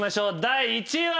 第１位は。